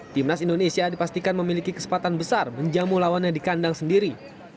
timnas indonesia dipastikan memiliki kesempatan besar menjamu lawannya di kandang sendiri